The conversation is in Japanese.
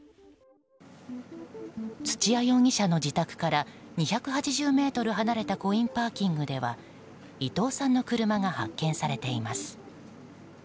土屋容疑者の自宅から２８０ｍ離れたコインパーキングでは伊藤さんの車が発見されています。